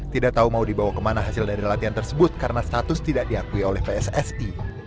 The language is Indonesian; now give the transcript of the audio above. tidak tahu mau dibawa kemana hasil dari latihan tersebut karena status tidak diakui oleh pssi